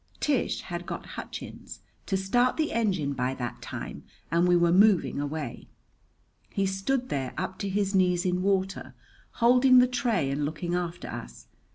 Tish had got Hutchins to start the engine by that time and we were moving away. He stood there, up to his knees in water, holding the tray and looking after us.